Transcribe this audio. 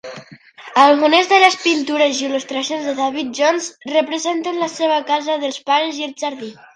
Algunes de les pintures i il·lustracions de David Jones representen la seva casa dels pares i el jardí.